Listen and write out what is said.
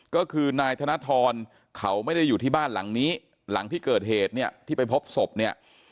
ก็คือนายธนทรเขาไม่ได้อยู่ที่บ้านหลังนี้หลังที่เกิดเหตุเนี่ยที่ไปพบศพเนี่ย